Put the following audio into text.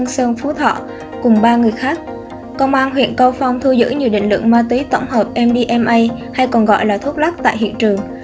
công an huyện câu phong thu giữ nhiều định lượng ma túy tổng hợp mdma hay còn gọi là thuốc lắc tại hiện trường